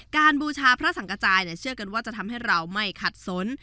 บูชาพระสังกระจายเชื่อกันว่าจะทำให้เราไม่ขัดสน